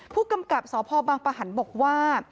ผู้กำกับสพบังปะหันบอกว่า